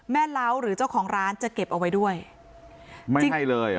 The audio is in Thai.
เล้าหรือเจ้าของร้านจะเก็บเอาไว้ด้วยไม่ใช่เลยเหรอ